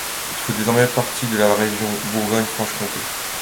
Il fait désormais partie de la région Bourgogne-Franche-Comté.